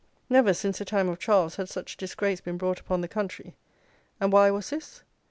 Never since the time of Charles had such disgrace been brought upon the country; and why was this?